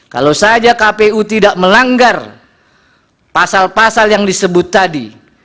kalau saja kpu tidak melanggar pasal pasal yang disebut tadi